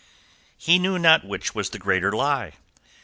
He knew not which was the greater lie.